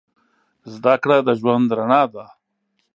زده کړه د ژوند رڼا ده.